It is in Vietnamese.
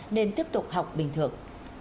nên tiếp tục học bình thường